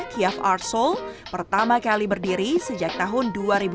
kiaf art soul pertama kali berdiri sejak tahun dua ribu dua